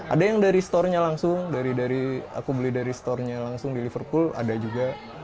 ada yang dari store nya langsung dari aku beli dari store nya langsung di liverpool ada juga